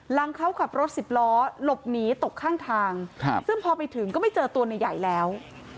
หลังเขาขับรถสิบล้อหลบหนีตกข้างทางซึ่งพอไปถึงก็ไม่เจอตัวในใหญ่แล้ว